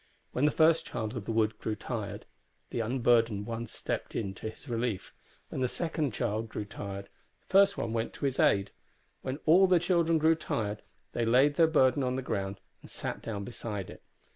When the first child of the wood grew tired, the unburdened one stepped in to his relief; when the second child grew tired, the first one went to his aid; when all the children grew tired, they laid their burden on the ground and sat down beside it.